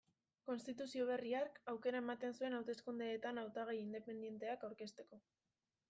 Konstituzio berri hark aukera ematen zuen hauteskundeetan hautagai independenteak aurkezteko.